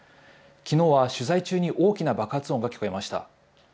きのうは取材中に大きな爆発音が聞こえました。